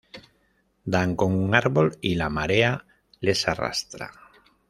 Dan con un árbol y la marea les arrastra.